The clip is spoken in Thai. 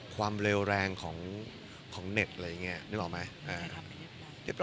ความเร็วแรงของของเน็ตอะไรอย่างเงี้ยนึกออกไหมเอ่อเรียบร้อยครับ